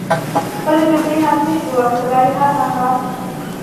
خپلي جملی هم نشي لوستلی هههه